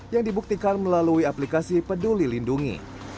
yang dibuktikan melalui aplikasi peduli lindungi